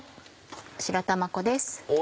白玉粉です。